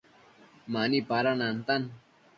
Mani pada nantan